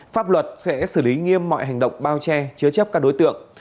pháp luật sẽ xử lý nghiêm mọi hành động bao che chứa chấp các đối tượng